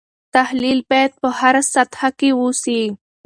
تحلیل باید په هره سطحه کې وسي.